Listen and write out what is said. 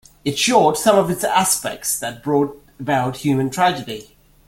It showed some of its aspects that brought about human tragedy.